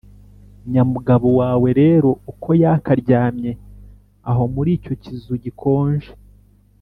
nyamugabo wawe rero uko yakaryamye aho muri icyo kizu gikonje